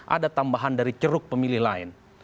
ada tambahan dari ceruk pemilih lain